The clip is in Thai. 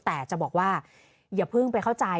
แต่จะบอกว่าอย่าเพิ่งไปเข้าใจ